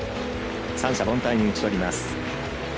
三者凡退に打ち取ります。